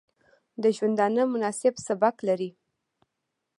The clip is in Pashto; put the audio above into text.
د ژوندانه مناسب سبک لري